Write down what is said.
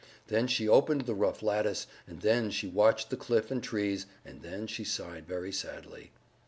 Then she opened the rough lattice, and then she watched the cliff and trees, and then she sighed very sadly.